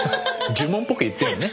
呪文っぽく言ってるのね。